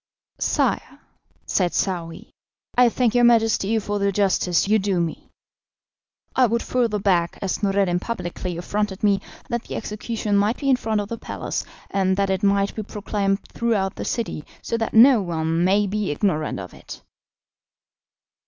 "Sire," said Saouy, "I thank your Majesty for the justice you do me. I would further beg, as Noureddin publicly affronted me, that the execution might be in front of the palace, and that it might be proclaimed throughout the city, so that no one may be ignorant of it."